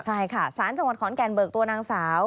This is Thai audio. ใช่ค่ะสารจังหวัดขอนแก่นเบิกตัวนางสาว